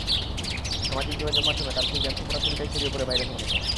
সামাজিক যোগাযোগমাধ্যমে তার সেই জার্সি পরা ছবিটাই ছড়িয়ে পড়ে ভাইরাসের মতো।